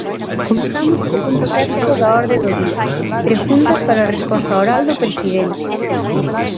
Comezamos co punto sexto da orde do día, preguntas para resposta oral do presidente.